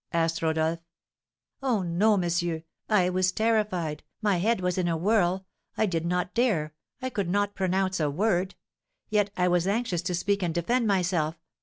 asked Rodolph. "Ah, no! monsieur, I was terrified, my head was in a whirl, I did not dare, I could not pronounce a word, yet I was anxious to speak and defend myself.